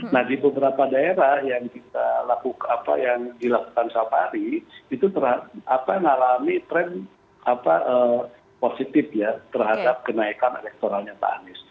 nah di beberapa daerah yang dilakukan sapa ari itu terhadap apa mengalami trend positif ya terhadap kenaikan elektoralnya pak anis